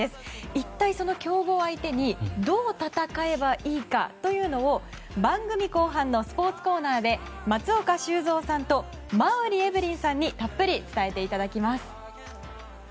一体、その強豪相手にどう戦えばいいかというのを番組後半のスポーツコーナーで松岡修造さんと馬瓜エブリンさんにたっぷり伝えていただきます。